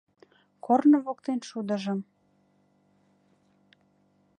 Корно воктен шудыжым